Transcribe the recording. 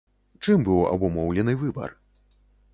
Чым быў абумоўлены выбар?